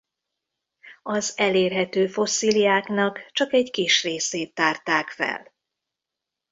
Az elérhető fosszíliáknak csak egy kis részét tárták fel.